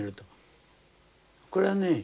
これはね